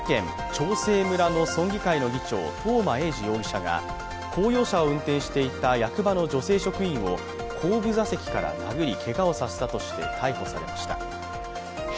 長生村の村議会の議長、東間永次容疑者が公用車を運転していた役場の女性職員を後部座席から殴り、けがをさせたとして逮捕されました。